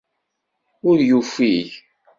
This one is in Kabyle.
Ur yufig.